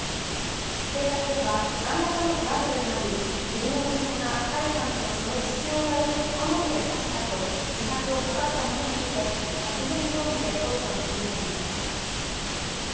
警察では、何らかのトラブルがあり義理の息子が甲斐さんとその父親を刃物で刺したあと自殺を図ったものとみて殺人容疑で捜査を進めています。